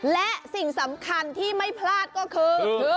และสิ่งสำคัญที่ไม่พลาดก็คือ